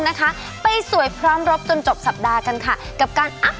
เปราะพร้อมปราบทุกปัญหาและประจำน่ากับทุกเรื่องวุ่น